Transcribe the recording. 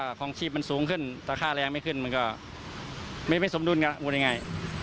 ค่าของชีพมันสูงขึ้นแต่ค่าแรงไม่ขึ้นมันก็ไม่สมดุลกับมูลยังไง